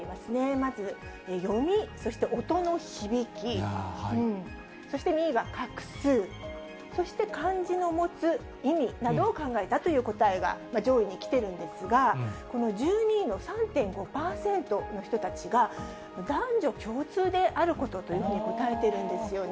まず読み、そして音の響き、そして２位は画数、そして感じの持つ意味などを考えたという答えが上位に来てるんですが、この１２位の３．５％の人たちは、男女共通であることというふうに答えてるんですよね。